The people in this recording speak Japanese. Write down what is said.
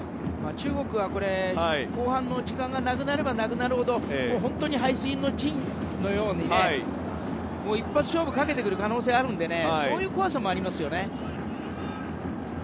中国は後半時間がなくなればなくなるほど本当に背水の陣のように一発勝負をかけてくる可能性があるのでそういう怖さもありますよね。